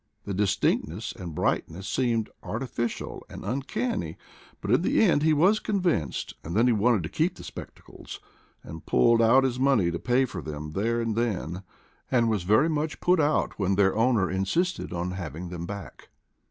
The distinctness and brightness seemed artificial and uncanny. But in the end he was convinced, and then he wanted GAUCHO WITH SPECTACLES SIGHT IN SAVAGES 163 to keep the spectacles, and pulled out his money to pay for them there and then, and was very much put out when their owner insisted on having them back.